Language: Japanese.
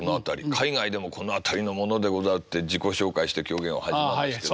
海外でも「この辺りの者でござる」って自己紹介して狂言は始まるんですけど。